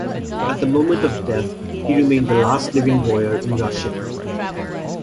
At the moment of death he remain the last living boyar in Russia.